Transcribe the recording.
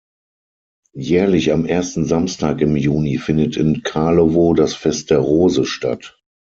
Jährlich am ersten Samstag im Juni findet in Karlowo das Fest der Rose statt.